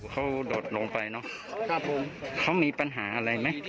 เขาโดดลงไปเนอะครับผมเขามีปัญหาอะไรไหม